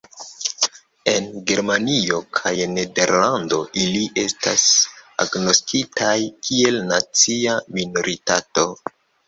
En Germanio kaj Nederlando ili estas agnoskitaj kiel nacia minoritato.